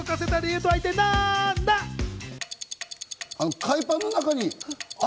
海パンの中にあれ？